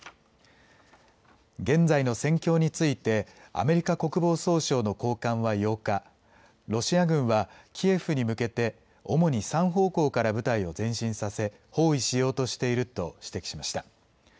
現在の戦況についてアメリカ国防総省の高官は８日、ロシア軍はキエフに向けて主に３方向から部隊を前進させ包囲しようとしていると指摘しました。